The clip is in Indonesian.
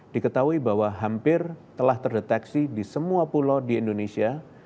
diketahui bahwa hampir telah terdeteksi di semua pulau di indonesia